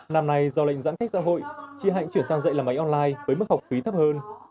năm nay do lệnh giãn cách xã hội chị hạnh chuyển sang dạy làm máy online với mức học phí thấp hơn